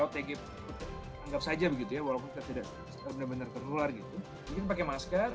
otg anggap saja begitu ya walaupun kita tidak benar benar tertular gitu mungkin pakai masker